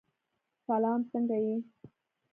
سلام! څنګه یې؟